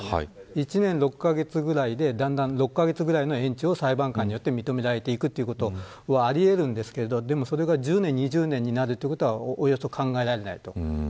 １年６カ月ぐらいで、だんだん６カ月ぐらいの延長裁判によって認められていくということはあり得るんですがでもそれが１０年、２０年になるということは考えられない。